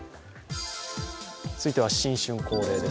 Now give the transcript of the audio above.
続いては新春恒例です。